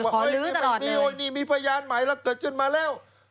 ก็ขึ้นต่อไปเลยบ๊วยมีพญานหมายแล้วเกิดจนมาแล้ว